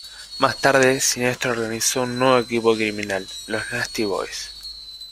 Más tarde, Siniestro organizó un nuevo equipo criminal: Los Nasty Boys.